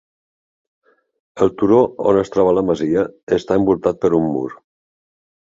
El turó on es troba la masia està envoltat per un mur.